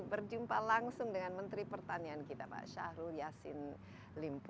berjumpa langsung dengan menteri pertanian kita pak syahrul yassin limpo